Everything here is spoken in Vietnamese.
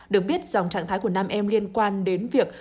được biết dòng trạng thái của nam em liên quan đến việc